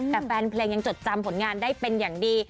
แต่แฟนเพลงยังจดจำผลงานได้เป็นอย่างดี